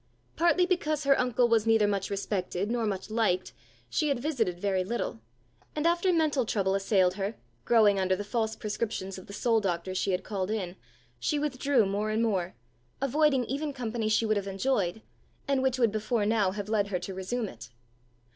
Partly because her uncle was neither much respected nor much liked, she had visited very little; and after mental trouble assailed her, growing under the false prescriptions of the soul doctor she had called in, she withdrew more and more, avoiding even company she would have enjoyed, and which would before now have led her to resume it.